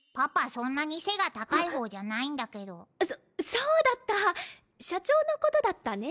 そんなに背が高い方じゃないんだけどそそうだった社長のことだったね